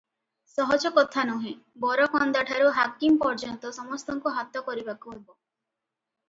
ସହଜ କଥା ନୁହେଁ, ବରକନ୍ଦାଠାରୁ ହାକିମ ପର୍ଯ୍ୟନ୍ତ ସମସ୍ତଙ୍କୁ ହାତ କରିବାକୁ ହେବ ।